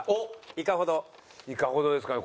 いかほどですかね。